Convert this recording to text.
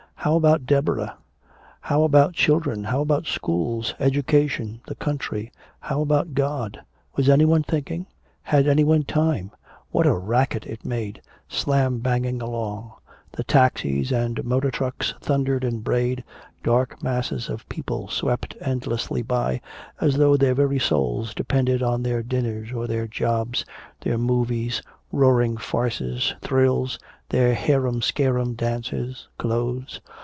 How about Deborah? How about children? How about schools, education, the country? How about God? Was anyone thinking? Had anyone time? What a racket it made, slam banging along. The taxis and motor trucks thundered and brayed, dark masses of people swept endlessly by, as though their very souls depended on their dinners or their jobs, their movies, roaring farces, thrills, their harum scarum dances, clothes.